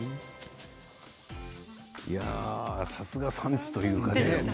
さすが産地というかね